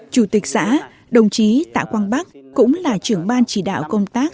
chủ tịch xã đồng chí tạ quang bắc cũng là trưởng ban chỉ đạo công tác